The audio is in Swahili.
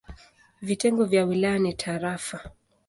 Vitengo vya wilaya ni tarafa.